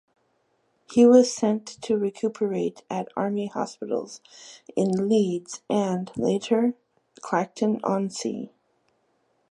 He was sent to recuperate at Army hospitals in Leeds and, later, Clacton-on-Sea.